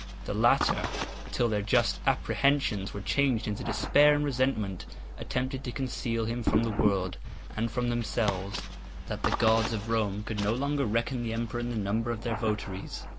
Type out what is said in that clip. The latter, till their just apprehensions were changed into despair and resentment, attempted to conceal from the world, and from themselves, that the gods of Rome could no longer reckon the emperor in the number of their votaries.